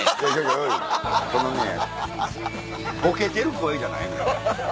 おいそのねボケてる声じゃないねん。